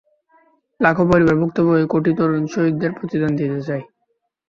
লাখো পরিবার ভুক্তভোগী, কোটি তরুণ শহীদদের প্রতিদান দিতে চায়।